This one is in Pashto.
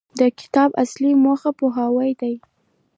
د کتاب اصلي موخه پوهاوی دی.